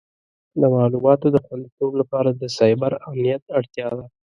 د معلوماتو د خوندیتوب لپاره د سایبر امنیت اړتیا ده.